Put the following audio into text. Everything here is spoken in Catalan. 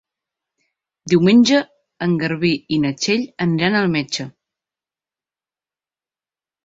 Diumenge en Garbí i na Txell aniran al metge.